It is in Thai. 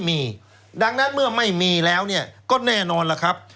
มีดังนั้นเมื่อไม่มีแล้วเนี่ยก็แน่นอนล่ะครับ